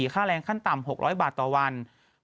ค่าแรงขั้นต่ำ๖๐๐บาทต่อวัน